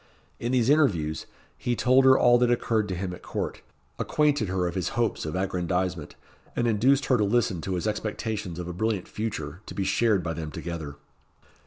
In these interviews, he told her all that occurred to him at court acquainted her of his hopes of aggrandisement and induced her to listen to his expectations of a brilliant future, to be shared by them together.